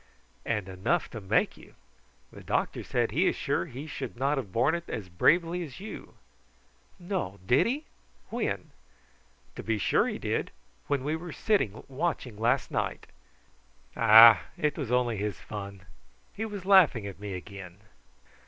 "And enough to make you. The doctor said he is sure he should not have borne it so bravely as you." "No: did he? When?" "To be sure he did, when we were sitting watching last night." "Bah! it was only his fun. He was laughing at me again."